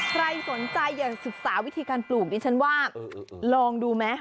ใครสนใจอยากศึกษาวิธีการปลูกดิฉันว่าลองดูไหม